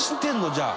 じゃあ。